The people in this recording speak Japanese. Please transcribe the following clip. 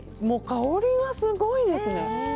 香りがすごいですね。